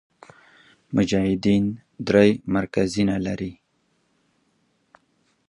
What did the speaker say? مجاهدین درې مرکزونه لري.